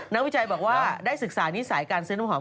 วิจัยบอกว่าได้ศึกษานิสัยการซื้อน้ำหอม